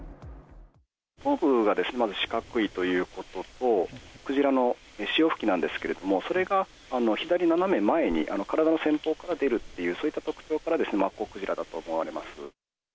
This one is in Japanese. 頭部がまず、四角いということと、クジラの潮吹きなんですけれども、それが左斜め前に体の前方から出るっていう、そういった特徴から、マッコウクジラだと思われます。